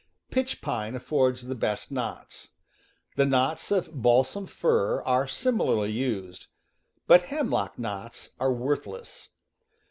Pitch pine affords the best knots. The knots of balsam fir are similarly used; but hemlock knots are worthless.